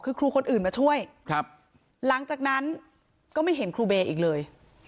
คือครูคนอื่นมาช่วยครับหลังจากนั้นก็ไม่เห็นครูเบย์อีกเลย